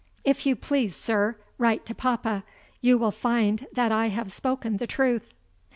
"If you please, sir, write to papa. You will find that I have spoken the truth."